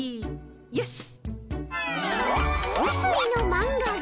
よし。